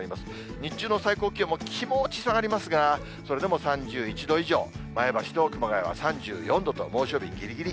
日中の最高気温も、気持ち下がりますが、それでも３１度以上、前橋と熊谷は３４度と猛暑日ぎりぎり。